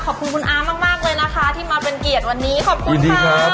ขอบคุณคุณอามากเลยนะคะที่มาเป็นเกียรติวันนี้ขอบคุณค่ะ